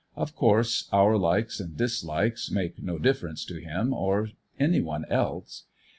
Of course our likes and dislikes make no difference to him or any one else.